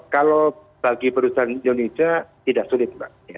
kalau bagi perusahaan indonesia tidak sulit mbak